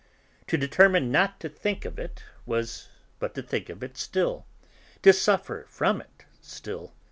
To determine not to think of it was but to think of it still, to suffer from it still.